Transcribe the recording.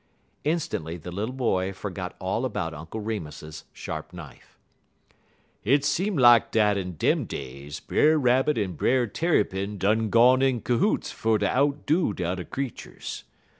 Instantly the little boy forgot all about Uncle Remus's sharp knife. "Hit seem lak dat in dem days Brer Rabbit en Brer Tarrypin done gone in cohoots fer ter outdo de t'er creeturs.